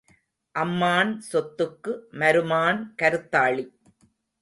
அம்மான் சொத்துக்கு மருமான் கருத்தாளி.